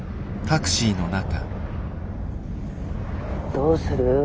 どうする？